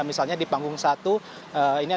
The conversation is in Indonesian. dan misalnya di panggung satu ini ada